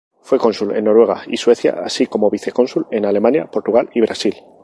Fue cónsul en Noruega y Suecia, así como vicecónsul en Alemania, Portugal y Brasil.